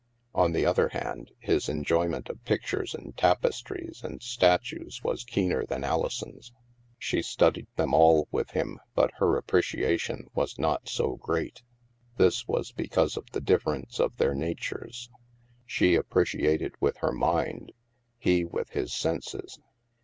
On the other hand, his en joyment of pictures and tapestries and statues was keener than Alison's. She studied them all with him, but her appreciation was not so great. This was because of the difference of their na tures. She appreciated with her mind, he with his senses.